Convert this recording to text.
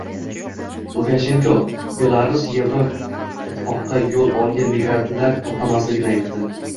Lukashenko Belarus Yevroittifoqqa yo‘l olgan migrantlarni to‘xtatmasligini aytdi